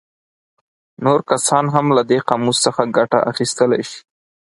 نور کسان هم له دې قاموس څخه ګټه اخیستلی شي.